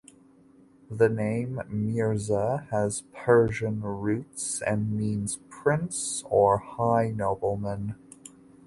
The name Mirza has Persian roots and means prince or high nobleman.